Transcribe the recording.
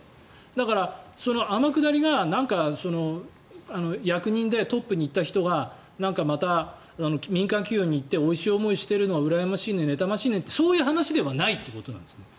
だから、天下りが役人でトップに行った人がまた民間企業に行っておいしい思いをしてるのはうらやましいねねたましいねそういう話じゃないということなんです。